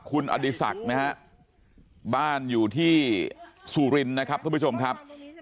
คุณอดิษักนะครับบ้านอยู่ที่สุรินนะครับทุกผู้ชมครับ